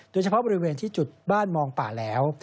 โดยเฉพาะบริเวณที่จุดบ้านมองป่าแล้ว